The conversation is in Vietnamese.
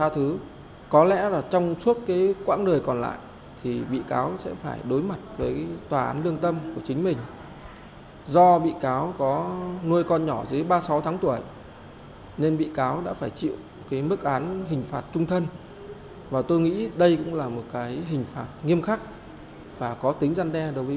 thì có lẽ là sẽ có thể đối mặt với tòa án lương tâm của chính mình